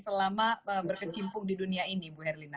selama berkecimpung di dunia ini bu herlina